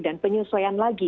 dan penyesuaian lagi